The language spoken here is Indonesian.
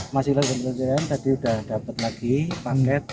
masih lagi pencarian tadi udah dapet lagi paket dua